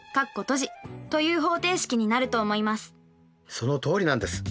そのとおりなんです。